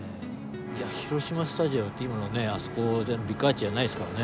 広島スタジアムって今のビッグアーチじゃないですからね。